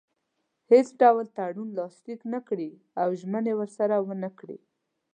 هیڅ ډول تړون لاسلیک نه کړي او ژمنې ورسره ونه کړي.